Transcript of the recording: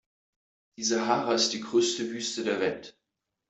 Die Sahara ist die größte Wüste der Welt.